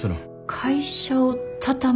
会社を畳む。